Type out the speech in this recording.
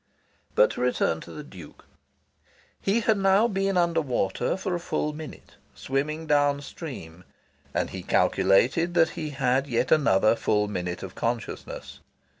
But to return to the Duke. He had now been under water for a full minute, swimming down stream; and he calculated that he had yet another full minute of consciousness.